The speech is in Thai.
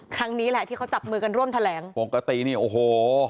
ครั้งนี้แหละที่เขาจับมือกันร่วมแถลงปกตินี่โอ้โห